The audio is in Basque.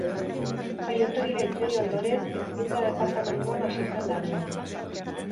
Jaioterrira itzuli ondoren, Hizkuntza Departamentuan hasi zen lanean.